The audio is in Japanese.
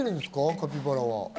カピバラは。